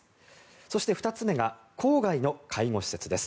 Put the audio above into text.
そして２つ目が郊外の介護施設です。